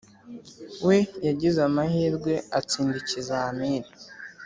we yagize amahirwe atsinda ikizamini